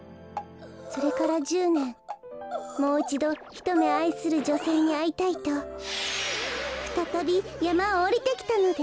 それから１０ねんもういちどひとめあいするじょせいにあいたいとふたたびやまをおりてきたのです。